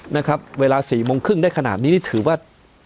นะครับเวลา๔โมงครึ่งได้ขนาดนี้นี่ถือว่า